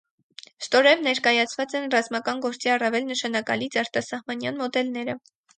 Ստորև ներկայացված են ռազմական գործի առավել նշանակալից արտասահմանյան մոդելները։